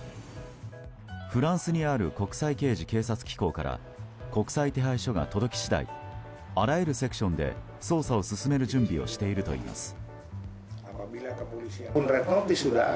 フランスにある国際刑事警察機構から国際手配所が届き次第あらゆるセクションで捜査を進める準備をしているといいます。